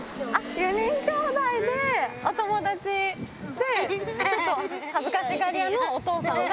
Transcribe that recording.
４人きょうだいで、お友達で、ちょっと恥ずかしがり屋のお父さんが。